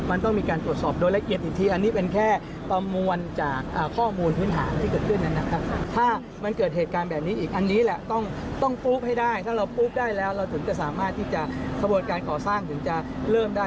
อันนี้แหละต้องปลูกให้ได้ถ้าเราปลูกได้แล้วเราถึงจะสามารถที่จะสะบดการก่อสร้างถึงจะเริ่มได้